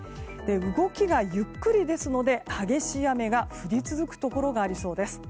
動きがゆっくりですので激しい雨が降り続くところがありそうです。